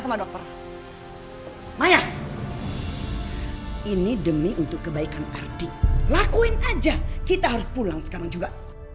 maya ini demi untuk kebaikan arti lakuin aja kita harus pulang sekarang juga